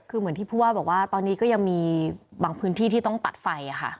คือเหมือนที่ผู้ว่าบอกว่าตอนนี้ก็ยังมีบางพื้นที่ที่ต้องตัดไฟค่ะ